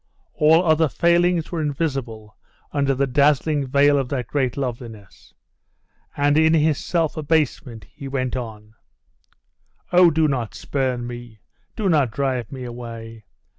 All other failings were invisible under the dazzling veil of that great loveliness; and in his self abasement he went on 'Oh, do not spurn me! do not drive me away!